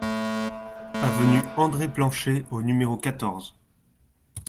Avenue André Planchet au numéro quatorze